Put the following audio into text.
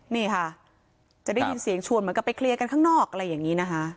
นี่ค่ะจะได้ยินเสียงชวนเหมือนกับไปเคลียร์กันข้างนอกอะไรอย่างนี้นะคะ